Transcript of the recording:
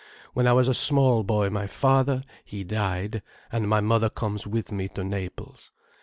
When I was a small boy my father, he died, and my mother comes with me to Naples.